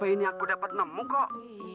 ini aku dapat nemu kok